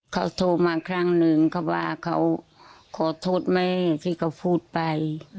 เขาโทรมาครั้งหนึ่งเขาว่าเขาขอโทษแม่ที่เขาพูดไป